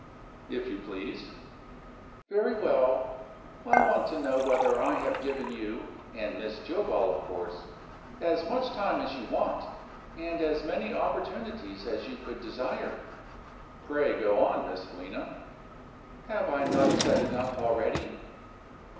"If you please." "Very well. I want to know whether I have given you (and Miss Jillgall, of course) as much time as you want, and as many opportunities as you could desire?" "Pray go on, Miss Helena." "Have I not said enough already?"